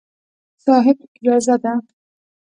صاحب! اجازه ده.